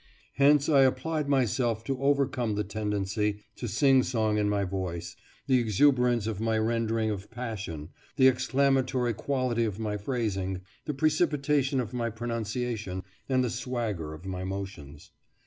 Hence I applied myself to overcome the tendency to singsong in my voice, the exuberance of my rendering of passion, the exclamatory quality of my phrasing, the precipitation of my pronunciation, and the swagger of my motions.